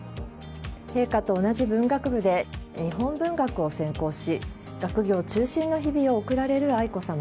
陛下と同じ文学部で日本文学を専攻し学業中心の日々を送られる愛子さま。